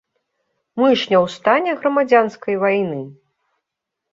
Мы ж не ў стане грамадзянскай вайны.